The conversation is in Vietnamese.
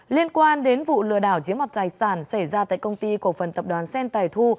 liên quan đến vụ lừa đảo giếm mặt tài sản xảy ra tại công ty cổ phần tập đoàn sen tài thu